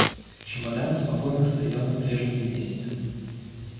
Чемодан спокойно стоял на прежнем месте.